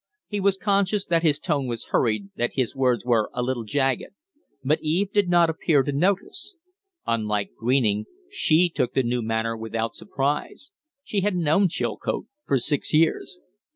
He was conscious that his tone was hurried, that his words were a little jagged; but Eve did not appear to notice. Unlike Greening, she took the new manner without surprise. She had known Chilcote for six years.